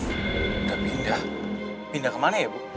tapi pindah pindah kemana ya bu